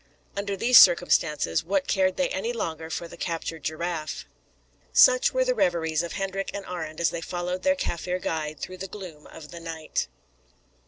Under these circumstances what cared they any longer for the captured giraffe. Such were the reveries of Hendrik and Arend as they followed their Kaffir guide through the gloom of the night.